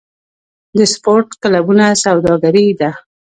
د سپورت کلبونه سوداګري ده؟